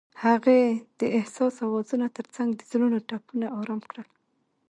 هغې د حساس اوازونو ترڅنګ د زړونو ټپونه آرام کړل.